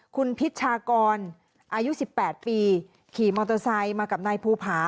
คุณพิชชากรอายุ๑๘ปีขี่มอเตอร์ไซค์มากับนายภูผา